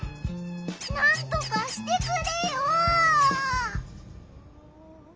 なんとかしてくれよ！